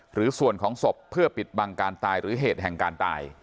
หรือส่วนของศพเพื่อปิดบังการตายหรือเหตุแห่งการตาย